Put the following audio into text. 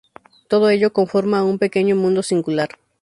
Todo ello conforma un pequeño mundo singular.